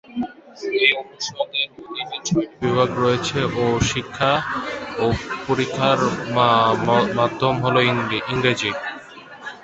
এই অনুষদের অধীনে ছয়টি বিভাগ রয়েছে ও শিক্ষা ও পরীক্ষার মাধ্যম হল ইংরেজি।